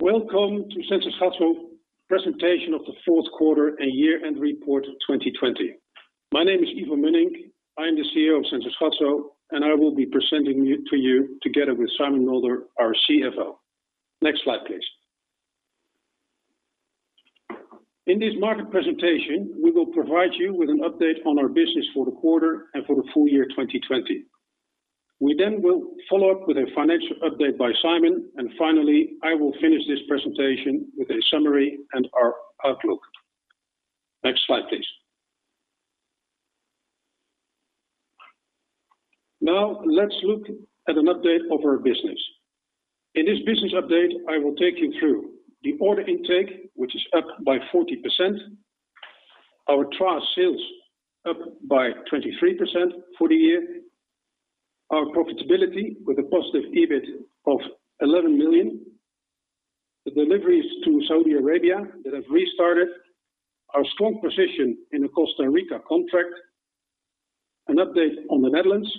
Welcome to Sensys Gatso presentation of the fourth quarter and year-end report of 2020. My name is Ivo Mönnink, I am the CEO of Sensys Gatso, and I will be presenting to you together with Simon Mulder, our CFO. Next slide, please. In this market presentation, we will provide you with an update on our business for the quarter and for the full year 2020. We then will follow up with a financial update by Simon, and finally, I will finish this presentation with a summary and our outlook. Next slide, please. Now let's look at an update of our business. In this business update, I will take you through the order intake, which is up by 40%, our TRaaS sales up by 23% for the year, our profitability with a positive EBIT of 11 million, the deliveries to Saudi Arabia that have restarted, our strong position in the Costa Rica contract, an update on the Netherlands,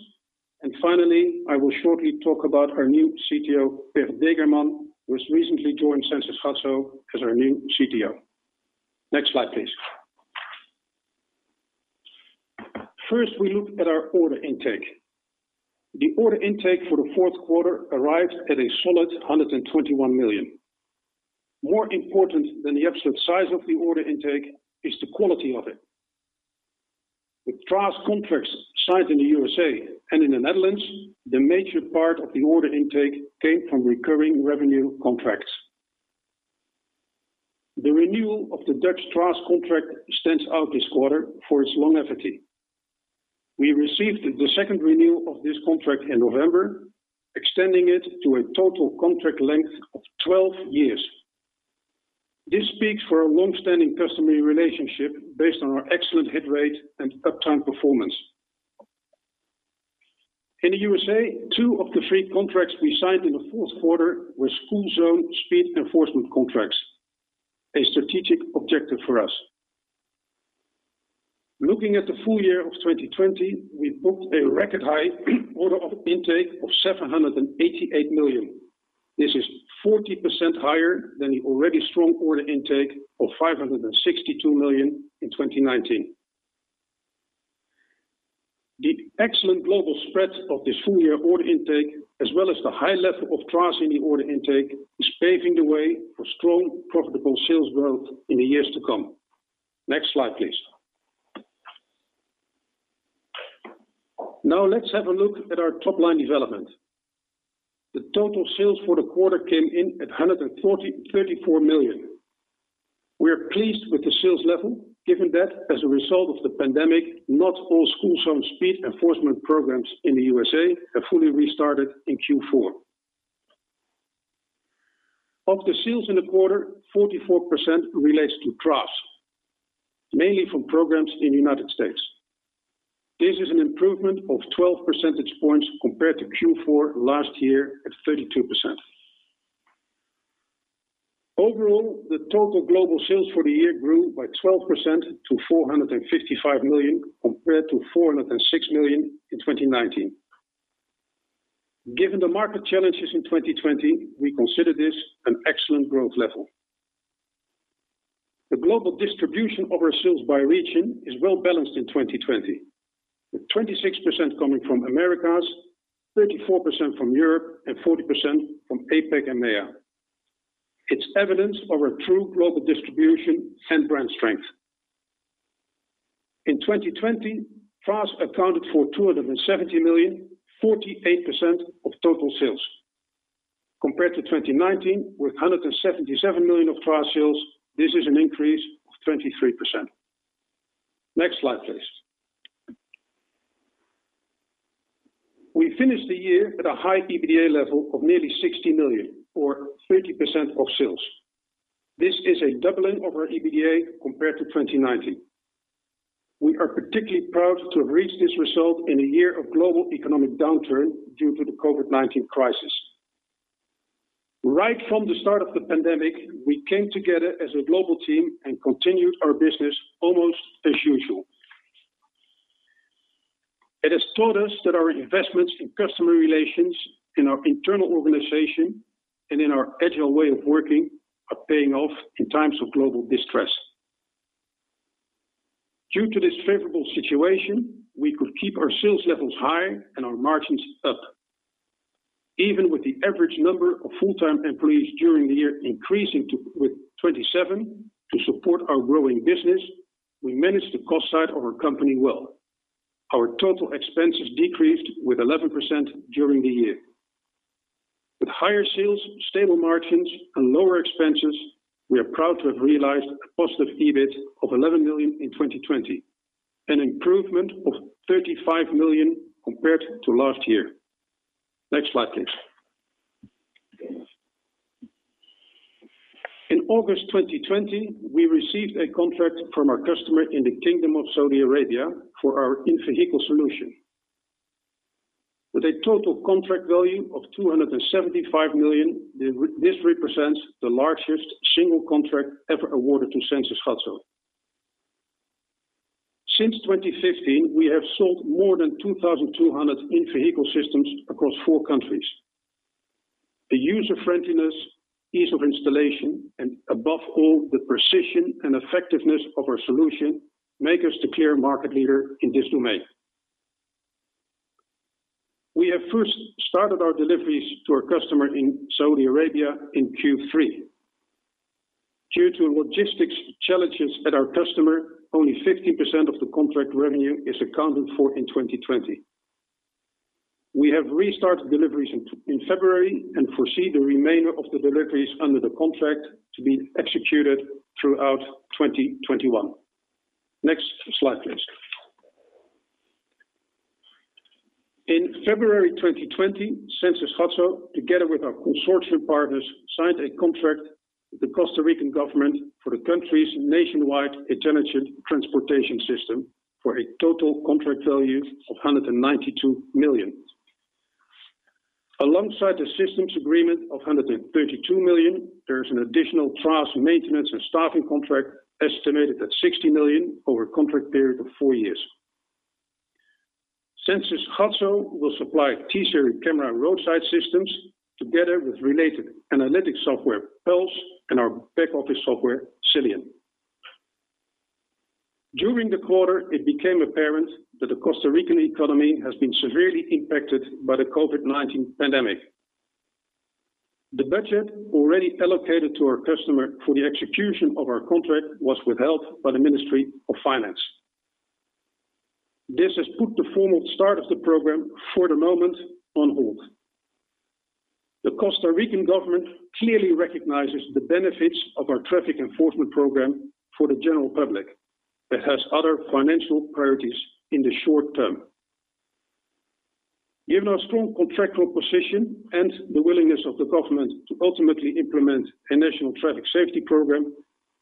Finally, I will shortly talk about our new CTO, Pär Degerman, who has recently joined Sensys Gatso as our new CTO. Next slide, please. First, we look at our order intake. The order intake for the fourth quarter arrived at a solid 121 million. More important than the absolute size of the order intake is the quality of it. With TRaaS contracts signed in the U.S.A. and in the Netherlands, the major part of the order intake came from recurring revenue contracts. The renewal of the Dutch TRaaS contract stands out this quarter for its longevity. We received the second renewal of this contract in November, extending it to a total contract length of 12 years. This speaks for a long-standing customer relationship based on our excellent hit rate and uptime performance. In the U.S.A., two of the three contracts we signed in the fourth quarter were school zone speed enforcement contracts, a strategic objective for us. Looking at the full year of 2020, we booked a record high order of intake of 788 million. This is 40% higher than the already strong order intake of 562 million in 2019. The excellent global spread of this full-year order intake, as well as the high level of TRaaS in the order intake, is paving the way for strong, profitable sales growth in the years to come. Next slide, please. Now let's have a look at our top-line development. The total sales for the quarter came in at 134 million. We are pleased with the sales level, given that as a result of the pandemic, not all school zone speed enforcement programs in the U.S.A. have fully restarted in Q4. Of the sales in the quarter, 44% relates to TRaaS, mainly from programs in the United States. This is an improvement of 12 percentage points compared to Q4 last year at 32%. The total global sales for the year grew by 12% to 455 million, compared to 406 million in 2019. Given the market challenges in 2020, we consider this an excellent growth level. The global distribution of our sales by region is well-balanced in 2020, with 26% coming from Americas, 34% from Europe, and 40% from APAC and EMEA. It's evidence of our true global distribution and brand strength. In 2020, TRaaS accounted for 270 million, 48% of total sales. Compared to 2019, with 177 million of TRaaS sales, this is an increase of 23%. Next slide, please. We finished the year at a high EBITDA level of nearly 60 million, or 30% of sales. This is a doubling of our EBITDA compared to 2019. We are particularly proud to have reached this result in a year of global economic downturn due to the COVID-19 crisis. Right from the start of the pandemic, we came together as a global team and continued our business almost as usual. It has taught us that our investments in customer relations, in our internal organization, and in our agile way of working are paying off in times of global distress. Due to this favorable situation, we could keep our sales levels high and our margins up. Even with the average number of full-time employees during the year increasing with 27 to support our growing business, we managed the cost side of our company well. Our total expenses decreased with 11% during the year. With higher sales, stable margins, and lower expenses, we are proud to have realized a positive EBIT of 11 million in 2020, an improvement of 35 million compared to last year. Next slide, please. In August 2020, we received a contract from our customer in the Kingdom of Saudi Arabia for our In-Vehicle Solution. With a total contract value of 275 million, this represents the largest single contract ever awarded to Sensys Gatso. Since 2015, we have sold more than 2,200 in-vehicle systems across four countries. The user-friendliness, ease of installation, and above all, the precision and effectiveness of our solution, make us the clear market leader in this domain. We have first started our deliveries to our customer in Saudi Arabia in Q3. Due to logistics challenges at our customer, only 50% of the contract revenue is accounted for in 2020. We have restarted deliveries in February and foresee the remainder of the deliveries under the contract to be executed throughout 2021. Next slide, please. In February 2020, Sensys Gatso, together with our consortium partners, signed a contract with the Costa Rican government for the country's nationwide intelligent transportation system, for a total contract value of 192 million. Alongside the systems agreement of 132 million, there is an additional TRaaS, maintenance, and staffing contract estimated at 60 million over a contract period of four years. Sensys Gatso will supply T-Series camera roadside systems, together with related analytics software, Puls, and our back office software, Xilium. During the quarter, it became apparent that the Costa Rican economy has been severely impacted by the COVID-19 pandemic. The budget already allocated to our customer for the execution of our contract was withheld by the Ministry of Finance. This has put the formal start of the program, for the moment, on hold. The Costa Rican government clearly recognizes the benefits of our traffic enforcement program for the general public, but has other financial priorities in the short term. Given our strong contractual position and the willingness of the government to ultimately implement a national traffic safety program,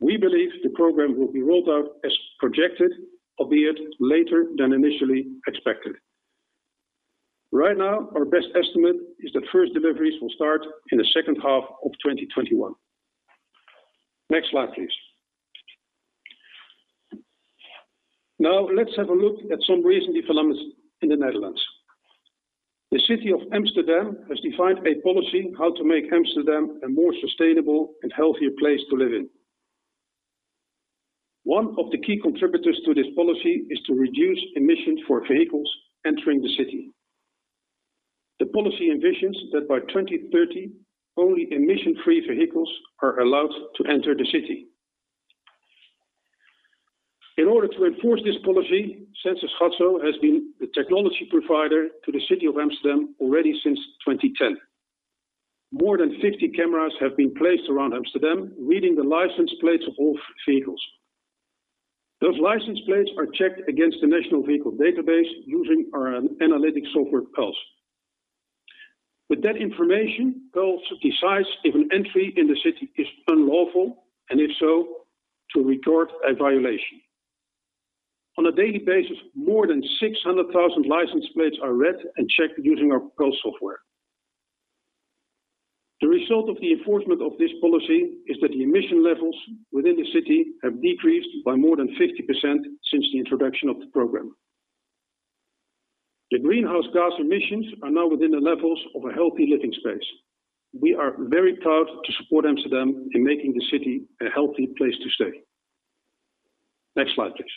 we believe the program will be rolled out as projected, albeit later than initially expected. Right now, our best estimate is that first deliveries will start in the second half of 2021. Next slide, please. Now, let's have a look at some recent developments in the Netherlands. The city of Amsterdam has defined a policy how to make Amsterdam a more sustainable and healthier place to live in. One of the key contributors to this policy is to reduce emissions for vehicles entering the city. The policy envisions that by 2030, only emission-free vehicles are allowed to enter the city. In order to enforce this policy, Sensys Gatso has been the technology provider to the city of Amsterdam already since 2010. More than 50 cameras have been placed around Amsterdam, reading the license plates of all vehicles. Those license plates are checked against the national vehicle database using our analytics software, Puls. With that information, Puls decides if an entry in the city is unlawful, and if so, to record a violation. On a daily basis, more than 600,000 license plates are read and checked using our Puls software. The result of the enforcement of this policy is that the emission levels within the city have decreased by more than 50% since the introduction of the program. The greenhouse gas emissions are now within the levels of a healthy living space. We are very proud to support Amsterdam in making the city a healthy place to stay. Next slide, please.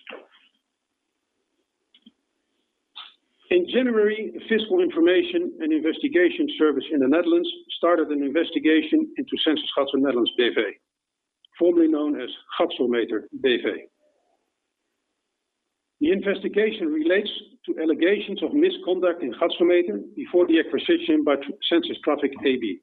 In January, the Fiscal Information and Investigation Service in the Netherlands started an investigation into Sensys Gatso Netherlands BV, formerly known as Gatsometer BV. The investigation relates to allegations of misconduct in Gatsometer before the acquisition by Sensys Traffic AB.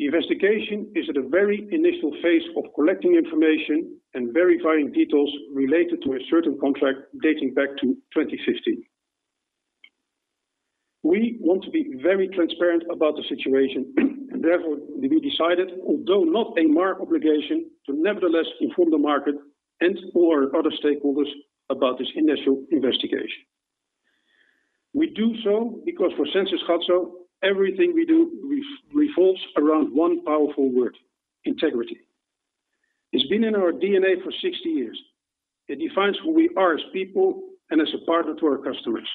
The investigation is at a very initial phase of collecting information and verifying details related to a certain contract dating back to 2015. We want to be very transparent about the situation. Therefore, we decided, although not a marked obligation, to nevertheless inform the market or other stakeholders about this initial investigation. We do so because for Sensys Gatso, everything we do revolves around one powerful word, integrity. It has been in our DNA for 60 years. It defines who we are as people and as a partner to our customers.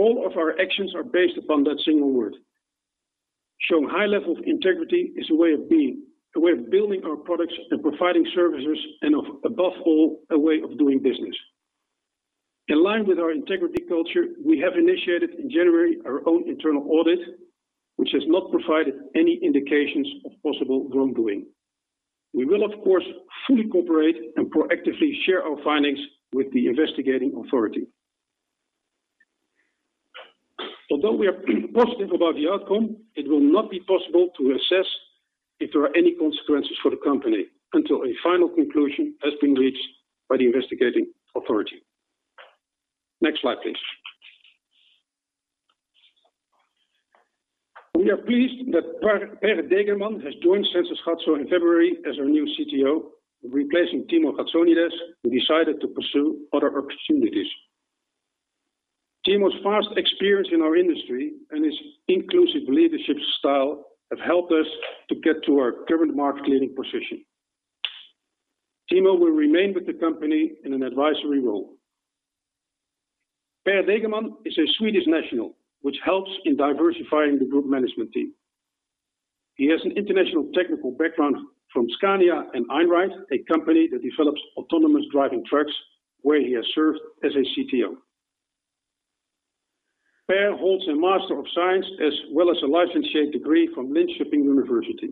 All of our actions are based upon that single word. Showing high level of integrity is a way of being, a way of building our products and providing services, and above all, a way of doing business. In line with our integrity culture, we have initiated in January our own internal audit, which has not provided any indications of possible wrongdoing. We will, of course, fully cooperate and proactively share our findings with the investigating authority. Although we are positive about the outcome, it will not be possible to assess if there are any consequences for the company until a final conclusion has been reached by the investigating authority. Next slide, please. We are pleased that Pär Degerman has joined Sensys Gatso in February as our new CTO, replacing Timo Gatsonides, who decided to pursue other opportunities. Timo's vast experience in our industry and his inclusive leadership style have helped us to get to our current market leading position. Timo will remain with the company in an advisory role. Pär Degerman is a Swedish national, which helps in diversifying the group management team. He has an international technical background from Scania and Einride, a company that develops autonomous driving trucks, where he has served as a CTO. Pär holds a Master of Science as well as a Licentiate degree from Linköping University.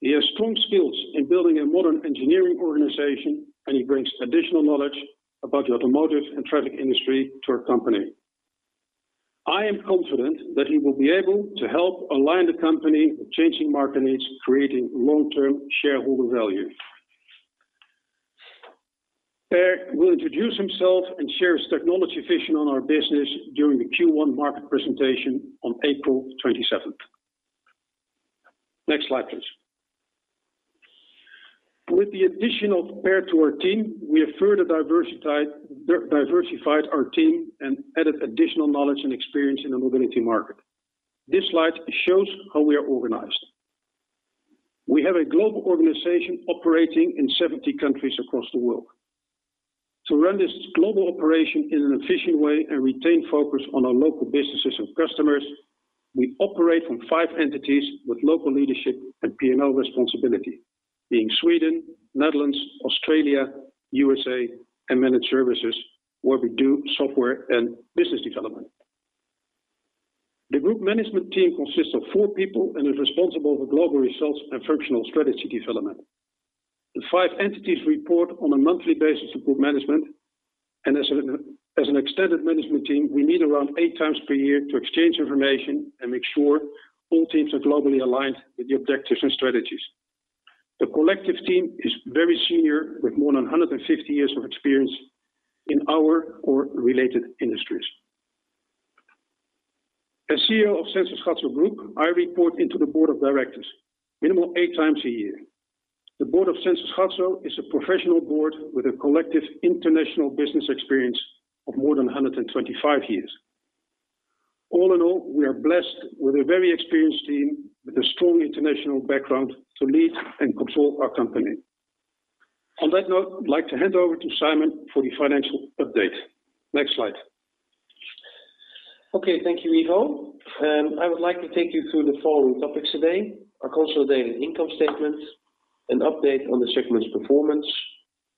He has strong skills in building a modern engineering organization, and he brings additional knowledge about the automotive and traffic industry to our company. I am confident that he will be able to help align the company with changing market needs, creating long-term shareholder value. Pär will introduce himself and share his technology vision on our business during the Q1 market presentation on April 27th. Next slide, please. With the addition of Pär to our team, we have further diversified our team and added additional knowledge and experience in the mobility market. This slide shows how we are organized. We have a global organization operating in 70 countries across the world. To run this global operation in an efficient way and retain focus on our local businesses and customers, we operate from five entities with local leadership and P&L responsibility, being Sweden, Netherlands, Australia, U.S.A., and Managed Services, where we do software and business development. The group management team consists of four people and is responsible for global results and functional strategy development. The five entities report on a monthly basis to group management, and as an extended management team, we meet around eight times per year to exchange information and make sure all teams are globally aligned with the objectives and strategies. The collective team is very senior, with more than 150 years of experience in our or related industries. As CEO of Sensys Gatso Group, I report into the Board of Directors minimum eight times a year. The Board of Sensys Gatso is a professional board with a collective international business experience of more than 125 years. All in all, we are blessed with a very experienced team with a strong international background to lead and control our company. On that note, I'd like to hand over to Simon for the financial update. Next slide. Okay, thank you, Ivo. I would like to take you through the following topics today: our consolidated income statement, an update on the segment's performance,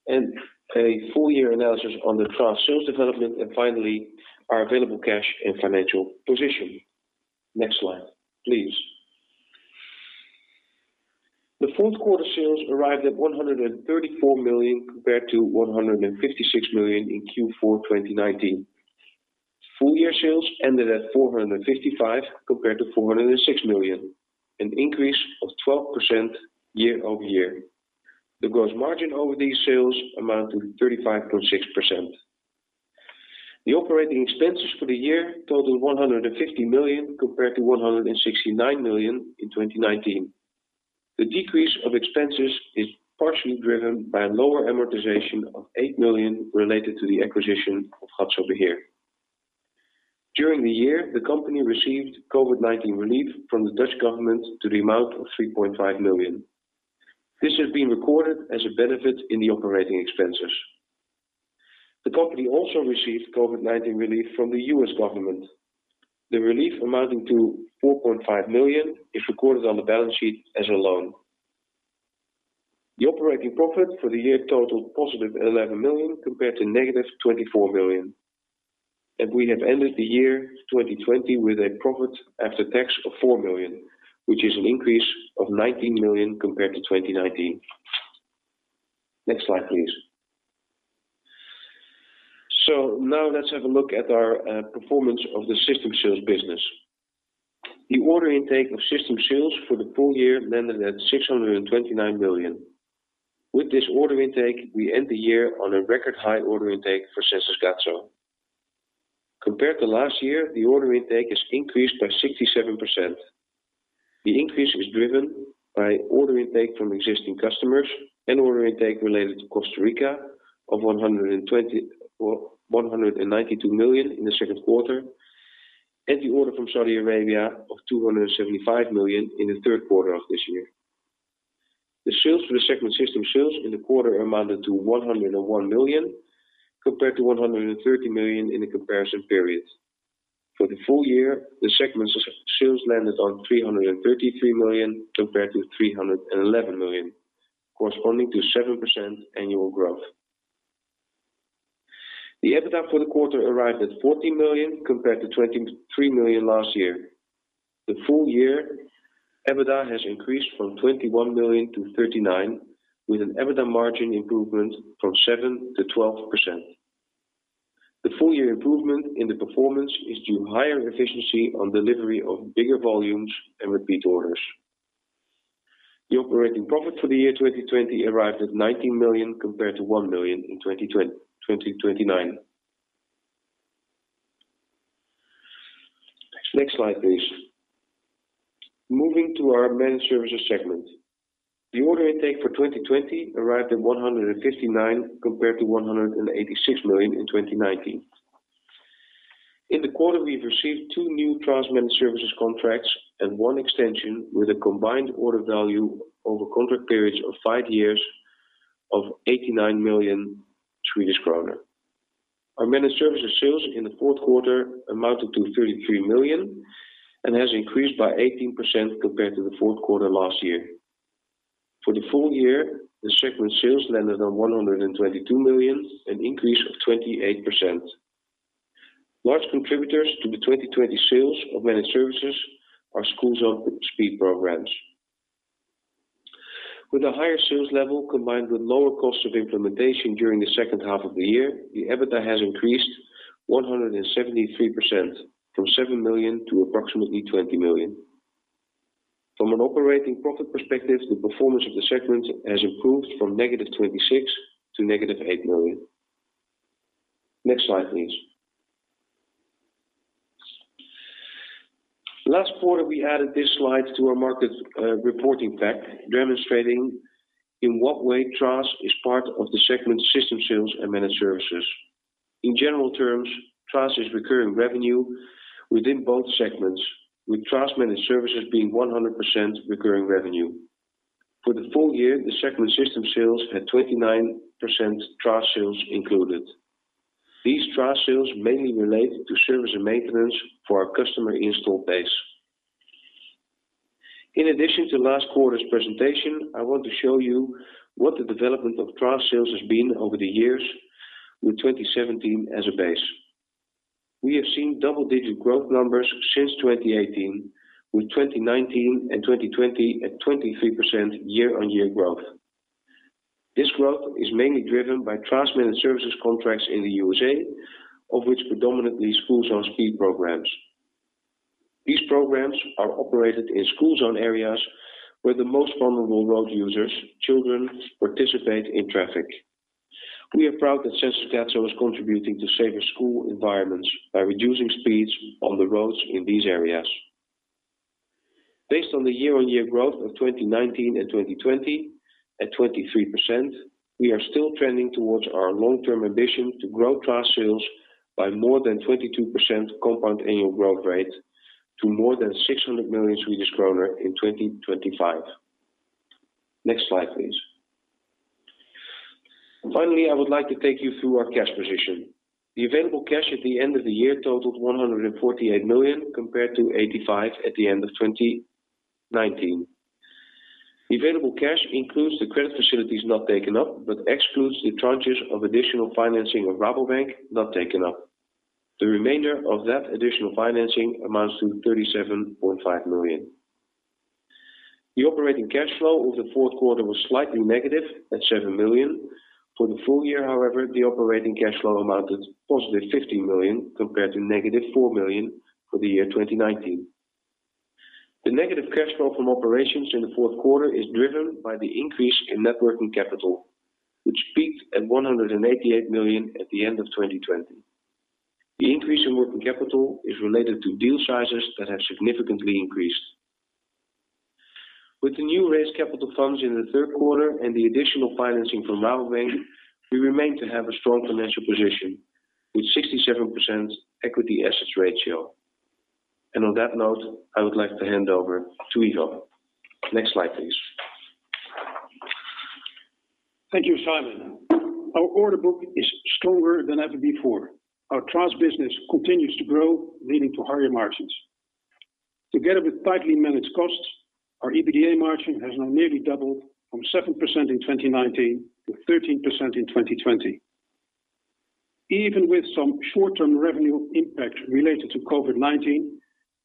and a full-year analysis on the TRaaS sales development, and finally, our available cash and financial position. Next slide, please. The fourth quarter sales arrived at 134 million compared to 156 million in Q4 2019. Full year sales ended at 455 million compared to 406 million, an increase of 12% year-over-year. The gross margin over these sales amounted to 35.6%. The operating expenses for the year totaled 150 million, compared to 169 million in 2019. The decrease of expenses is partially driven by a lower amortization of 8 million related to the acquisition of Gatso Beheer. During the year, the company received COVID-19 relief from the Dutch government to the amount of 3.5 million. This has been recorded as a benefit in the operating expenses. The company also received COVID-19 relief from the U.S. government. The relief amounting to 4.5 million is recorded on the balance sheet as a loan. The operating profit for the year totaled +11 million compared to -24 million. We have ended the year 2020 with a profit after tax of 4 million, which is an increase of 19 million compared to 2019. Next slide, please. Now let's have a look at our performance of the System Sales business. The order intake of System Sales for the full year landed at 629 million. With this order intake, we end the year on a record high order intake for Sensys Gatso. Compared to last year, the order intake has increased by 67%. The increase is driven by order intake from existing customers and order intake related to Costa Rica of 192 million in the second quarter, and the order from Saudi Arabia of 275 million in the third quarter of this year. The sales for the segment System Sales in the quarter amounted to 101 million, compared to 130 million in the comparison period. For the full year, the segment's sales landed on 333 million compared to 311 million, corresponding to 7% annual growth. The EBITDA for the quarter arrived at 14 million compared to 23 million last year. The full year EBITDA has increased from 21 million to 39 million, with an EBITDA margin improvement from 7%-12%. The full year improvement in the performance is due to higher efficiency on delivery of bigger volumes and repeat orders. The operating profit for the year 2020 arrived at 19 million compared to 1 million in 2019. Next slide, please. Moving to our Managed Services segment. The order intake for 2020 arrived at 159 compared to 186 million in 2019. In the quarter, we've received two new TRaaS Managed Services contracts and one extension with a combined order value over contract periods of five years of 89 million Swedish kronor. Our Managed Services sales in the fourth quarter amounted to 33 million and has increased by 18% compared to the fourth quarter last year. For the full year, the segment sales landed on 122 million, an increase of 28%. Large contributors to the 2020 sales of Managed Services are school zone speed programs. With a higher sales level combined with lower cost of implementation during the second half of the year, the EBITDA has increased 173% from 7 million to approximately 20 million. From an operating profit perspective, the performance of the segment has improved from -26 million to -8 million. Next slide, please. Last quarter, we added this slide to our market reporting pack, demonstrating in what way TRaaS is part of the segment System Sales and Managed Services. In general terms, TRaaS is recurring revenue within both segments, with TRaaS Managed Services being 100% recurring revenue. The full year, the segment System Sales had 29% TRaaS sales included. These TRaaS sales mainly relate to service and maintenance for our customer install base. In addition to last quarter's presentation, I want to show you what the development of TRaaS sales has been over the years with 2017 as a base. We have seen double-digit growth numbers since 2018, with 2019 and 2020 at 23% year-over-year growth. This growth is mainly driven by TRaaS Managed Services contracts in the U.S.A., of which predominantly school zone speed programs. These programs are operated in school zone areas where the most vulnerable road users, children, participate in traffic. We are proud that Sensys Gatso is contributing to safer school environments by reducing speeds on the roads in these areas. Based on the year-over-year growth of 2019 and 2020 at 23%, we are still trending towards our long-term ambition to grow TRaaS sales by more than 22% compound annual growth rate to more than 600 million Swedish kronor in 2025. Next slide, please. Finally, I would like to take you through our cash position. The available cash at the end of the year totaled 148 million compared to 85 at the end of 2019. The available cash includes the credit facilities not taken up but excludes the tranches of additional financing of Rabobank not taken up. The remainder of that additional financing amounts to 37.5 million. The operating cash flow over the fourth quarter was slightly negative at 7 million. For the full year, however, the operating cash flow amounted +15 million compared to -4 million for the year 2019. The negative cash flow from operations in the fourth quarter is driven by the increase in net working capital, which peaked at 188 million at the end of 2020. The increase in working capital is related to deal sizes that have significantly increased. With the new raised capital funds in the third quarter and the additional financing from Rabobank, we remain to have a strong financial position with 67% equity assets ratio. On that note, I would like to hand over to Ivo. Next slide, please. Thank you, Simon. Our order book is stronger than ever before. Our TRaaS business continues to grow, leading to higher margins. Together with tightly managed costs, our EBITDA margin has now nearly doubled from 7% in 2019 to 13% in 2020. Even with some short-term revenue impact related to COVID-19,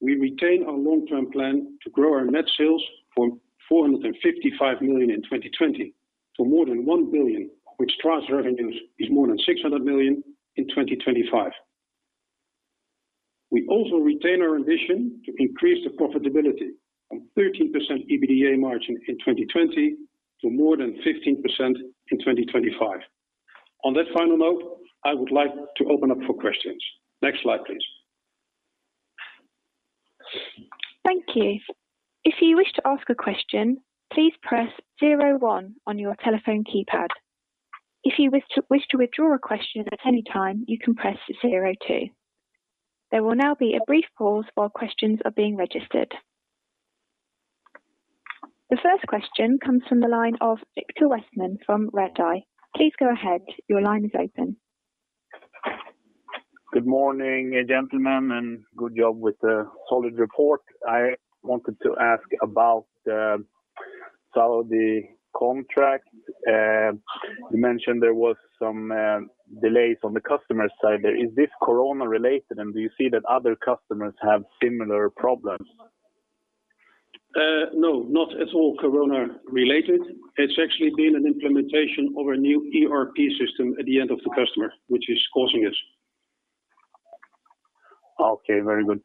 we retain our long-term plan to grow our net sales from 455 million in 2020 to more than 1 billion, of which TRaaS revenues is more than 600 million in 2025. We also retain our ambition to increase the profitability from 13% EBITDA margin in 2020 to more than 15% in 2025. On that final note, I would like to open up for questions. Next slide, please. Thank you. If you wish to ask a question, please press zero one on your telephone keypad. If you wish to withdraw a question at any time, you can press zero two. There will now be a brief pause while questions are being registered. The first question comes from the line of Viktor Westman from Redeye. Please go ahead. Your line is open. Good morning, gentlemen, and good job with the solid report. I wanted to ask about the Saudi contract. You mentioned there was some delays on the customer side there. Is this coronavirus-related, and do you see that other customers have similar problems? No, not at all coronavirus-related. It's actually been an implementation of a new ERP system at the end of the customer, which is causing it. Okay, very good.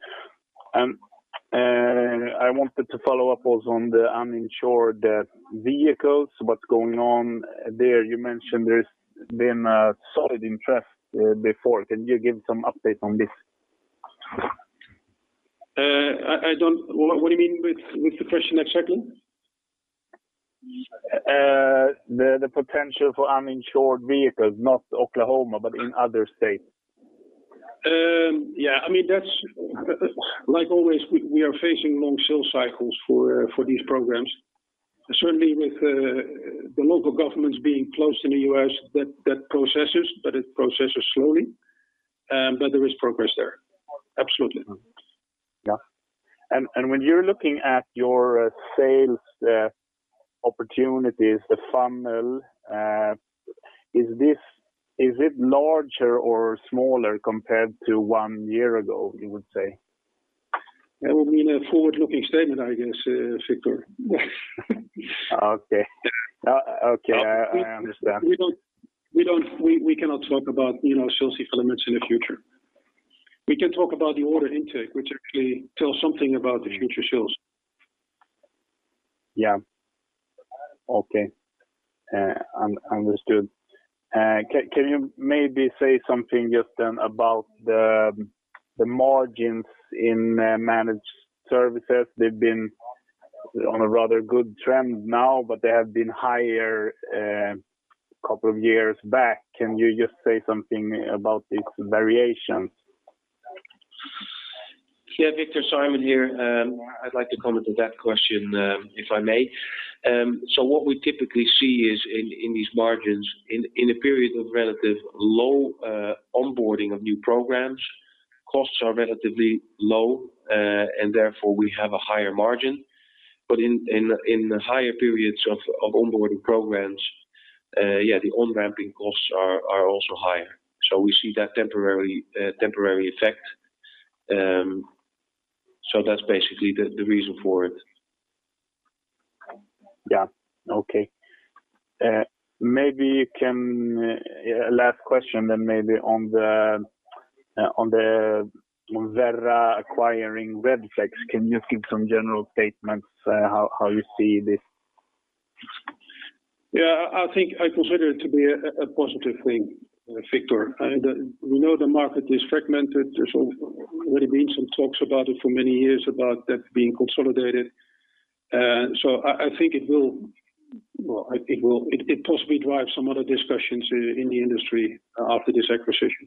I wanted to follow up also on the uninsured vehicles, what's going on there? You mentioned there's been a solid interest before. Can you give some update on this? What do you mean with the question exactly? The potential for uninsured vehicles, not Oklahoma, but in other states. Like always, we are facing long sales cycles for these programs. Certainly, with the local governments being closed in the U.S., that processes, but it processes slowly. There is progress there. Absolutely. Yeah. When you're looking at your sales opportunities, the funnel, is it larger or smaller compared to one year ago, you would say? That would be in a forward-looking statement, I guess, Viktor. Okay. I understand. We cannot talk about sales elements in the future. We can talk about the order intake, which actually tells something about the future sales. Yeah. Okay. Understood. Can you maybe say something just then about the margins in Managed Services? They've been on a rather good trend now, but they have been higher couple of years back. Can you just say something about this variation? Yeah, Viktor, Simon here. I'd like to comment on that question, if I may. What we typically see is in these margins, in a period of relative low onboarding of new programs, costs are relatively low, and therefore we have a higher margin. In the higher periods of onboarding programs, yeah, the on-ramping costs are also higher. We see that temporary effect. That's basically the reason for it. Last question maybe on the Verra acquiring Redflex. Can you give some general statements how you see this? Yeah, I consider it to be a positive thing, Viktor. We know the market is fragmented, there's already been some talks about it for many years about that being consolidated. I think it will possibly drive some other discussions in the industry after this acquisition.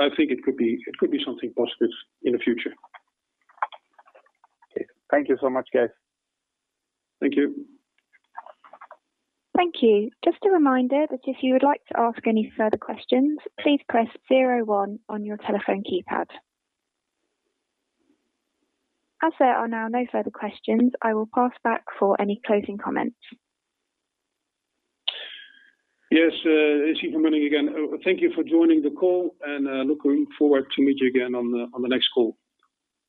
I think it could be something positive in the future. Okay. Thank you so much, guys. Thank you. Thank you. Just a reminder that if you would like to ask any further questions, please press zero one on your telephone keypad. As there are now no further questions, I will pass back for any closing comments. Yes, this is Ivo Mönnink again. Thank you for joining the call, and looking forward to meet you again on the next call.